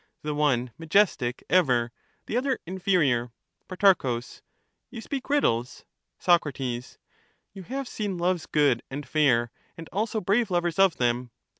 The one majestic ever, the other inferior. Pro. You speak riddles. Soc. You have seen loves good and fair, and also brave lovers of them.